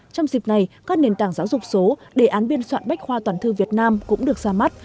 trong dịp này các nền tảng giáo dục số đề án biên soạn bách khoa toàn thư việt nam cũng được ra mắt